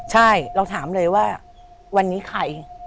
ใช่เราถามเลยว่าวันนี้ใคร